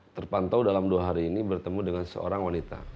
terpantau dalam dua hari ini bertemu dengan seorang wanita